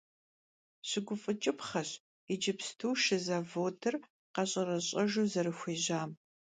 Şıguf'ıç'ıpxheş yicıpstu şşı zavodır kheş'ereş'ejju zerıxuêjam.